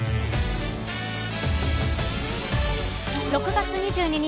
６月２２日